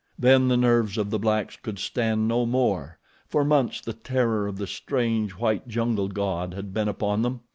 Then the nerves of the blacks could stand no more. For months the terror of the strange, white, jungle god had been upon them.